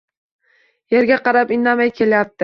Yerga qarab, indamay kelyapti